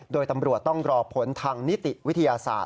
โดยตำรวจต้องรอผลทางนิติวิทยาศาสตร์